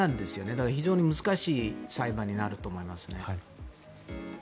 だから非常に難しい裁判になると思いますね。